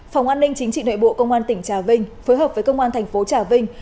phòng an ninh chính trị nội bộ công an tỉnh trà vinh phối hợp với công an thành phố trà vinh